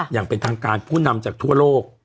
อย่างเป็นทางการผู้นำจากทั่วโลก